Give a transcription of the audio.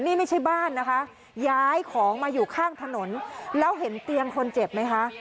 นี่ไม่ใช่บ้านนะคะย้ายของมาอยู่ข้างถนนแล้วเห็นเตียงคนเจ็บไหมคะ